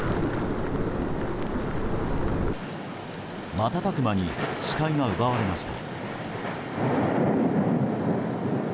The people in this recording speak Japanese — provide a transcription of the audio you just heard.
瞬く間に視界が奪われました。